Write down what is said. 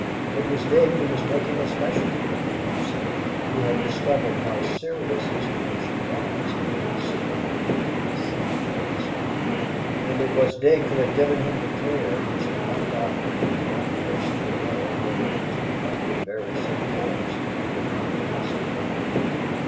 It was Dick, who was making a specialty of the homesick, who had discovered how serious his condition was and who had seen to it that he was sent to the hospital; and it was Dick who had given him the care which the one doctor and one nurse in a ward where there were two hundred very sick boys could not possibly give.